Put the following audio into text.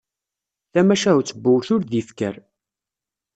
Tamacahut n uwtul d yifker.